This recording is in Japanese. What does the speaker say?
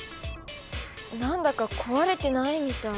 なんだか壊れてないみたい。